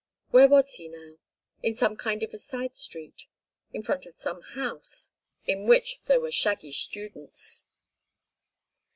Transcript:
Where was he now? In some kind of a side street. In front of some house—in which there were shaggy students.